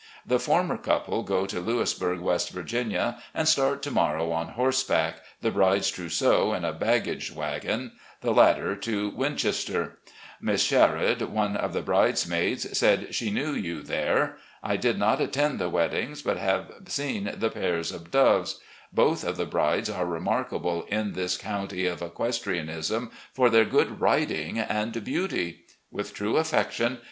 The former couple go to Louisburg, West Virginia, and start to morrow on horseback, the bride's trousseau in a bag gage wagon ; the latter to Winchester. Miss Sherod, one of the bridesmaids, said she knew you there. I did not attend the weddings, but have seen the pairs of doves. Both of the brides are remarkable in this county of equestrianism for their good riding and beauty. With true affection.